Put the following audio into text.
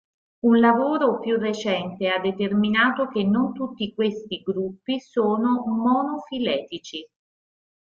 Un lavoro più recente ha determinato che non tutti questi gruppi sono monofiletici.